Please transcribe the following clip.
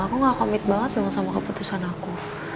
aku gak komit banget sama keputusan aku